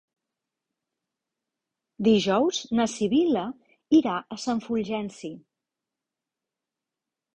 Dijous na Sibil·la irà a Sant Fulgenci.